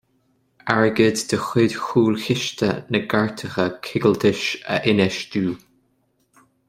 Airgead de chuid Chúlchiste na gCairteacha Coigiltis a infheistiú.